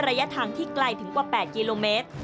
ระยะทางที่ไกลถึงกว่า๘กิโลเมตร